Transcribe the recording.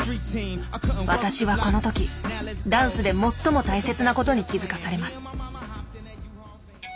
私はこの時ダンスで最も大切なことに気付かされます。